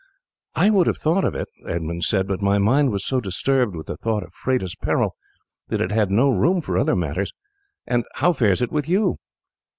"I would I had thought of it," Edmund said; "but my mind was so disturbed with the thought of Freda's peril that it had no room for other matters. And how fares it with you?"